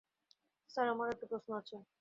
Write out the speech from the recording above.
Sir, আমার একটা প্রশ্ন আছে!